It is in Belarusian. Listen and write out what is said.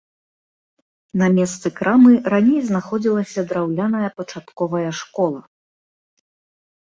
На месцы крамы раней знаходзілася драўляная пачатковая школа.